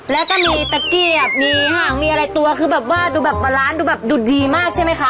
แล้วก็มีตะเกียบมีห่างมีอะไรตัวคือแบบว่าดูแบบบาลานซูแบบดูดีมากใช่ไหมคะ